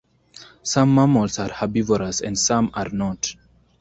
Some mammals are herbivorous, and some are not.